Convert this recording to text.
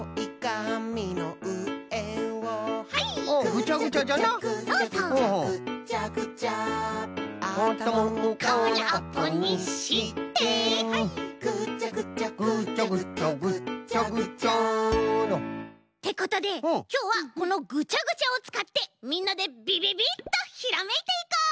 「ぐちゃぐちゃぐちゃぐちゃぐっちゃぐちゃ」てことできょうはこのぐちゃぐちゃをつかってみんなでビビビッとひらめいていこう！